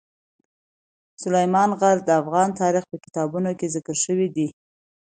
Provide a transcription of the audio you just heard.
سلیمان غر د افغان تاریخ په کتابونو کې ذکر شوی دي.